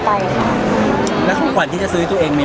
ไม่อยากทำเอ้ยทำงานก็ได้